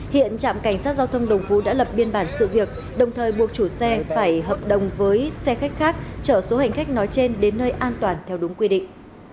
hiện trạm cảnh sát giao thông đồng phú đã lập biên bản sự việc đồng thời buộc chủ xe phải hợp đồng với xe khách khác chở số hành khách nói trên đến nơi an toàn theo đúng quy định